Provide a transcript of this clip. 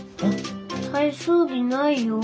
体操着ないよ。